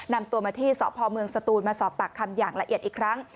นำตัวมาที่สพเมืองสตูนมาสอบปากคำอย่างละเอียดอีกครั้ง